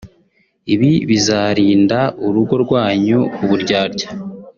ibi bizarinda urugo rwanyu uburyarya